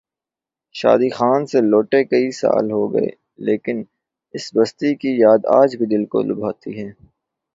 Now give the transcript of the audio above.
شادی خان سے لوٹے کئی سال ہو گئے لیکن اس بستی کی یاد آج بھی دل کو لبھاتی ہے۔